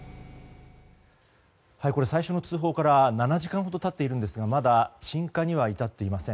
最初の通報から７時間ほど経っているんですがまだ鎮火には至っていません。